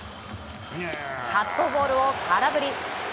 カットボールを空振り。